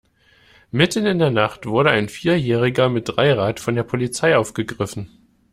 Mitten in der Nacht wurde ein Vierjähriger mit Dreirad von der Polizei aufgegriffen.